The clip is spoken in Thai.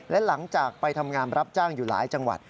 และหลังจากไปทำงานรับจ้างอยู่หลายจังหวัด